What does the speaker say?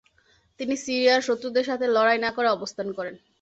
তিনি সিরিয়ায় শত্রুদের সাথে লড়াই না করে অবস্থান করেন।